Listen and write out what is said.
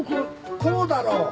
こうだろ。